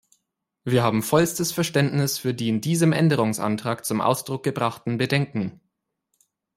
Wir haben vollstes Verständnis für die in diesem Änderungsantrag zum Ausdruck gebrachten Bedenken.